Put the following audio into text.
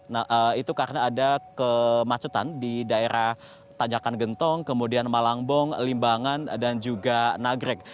nah itu karena ada kemacetan di daerah tanjakan gentong kemudian malangbong limbangan dan juga nagrek